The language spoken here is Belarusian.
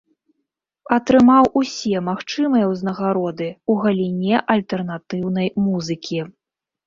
Атрымаў усе магчымыя ўзнагароды ў галіне альтэрнатыўнай музыкі.